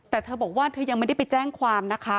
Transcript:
แต่เธอบอกว่าเธอยังไม่ได้ไปแจ้งความนะคะ